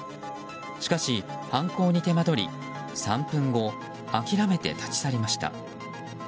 しかし、犯行に手間どり３分後、諦めて立ち去りました。